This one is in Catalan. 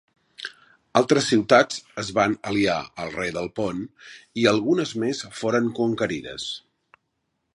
Altres ciutats es van aliar al rei del Pont i algunes més foren conquerides.